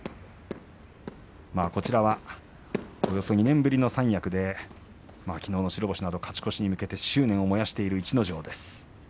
こちらは２年ぶりの三役できのうの白星など勝ち越しに向けて執念を燃やしている逸ノ城です。